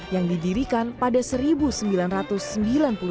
yang didirikan pada tahun seribu sembilan ratus lima belas